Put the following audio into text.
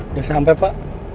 udah sampai pak